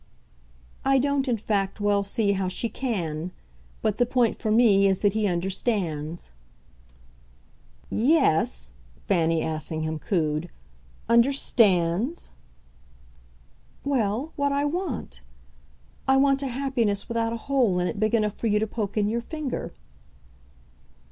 "I don't in fact well see how she CAN. But the point for me is that he understands." "Yes," Fanny Assingham cooed, "understands ?" "Well, what I want. I want a happiness without a hole in it big enough for you to poke in your finger."